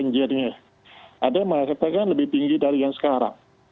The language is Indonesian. jadi ada yang mengatakan lebih tinggi dari yang sekarang